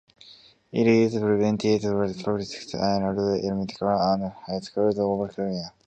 It is presented to the pupils of elementary and high schools all over Croatia.